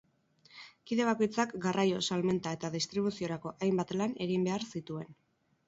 Kide bakoitzak garraio, salmenta eta distribuziorako hainbat lan egin behar zituen.